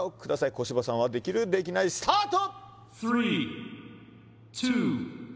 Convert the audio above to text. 小芝さんはできるできないスタート！